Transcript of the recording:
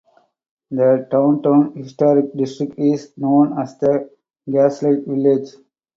The downtown historic district is known as the Gaslight Village.